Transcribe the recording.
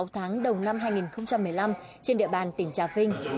sáu tháng đầu năm hai nghìn một mươi năm trên địa bàn tỉnh trà vinh